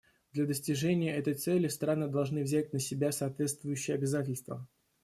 Для достижения этой цели страны должны взять на себя соответствующие обязательства.